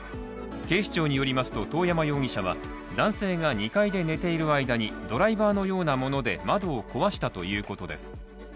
警視庁によりますと遠山容疑者は男性が２階で寝ているあいだに、ドライバーのような物で窓を壊したということです。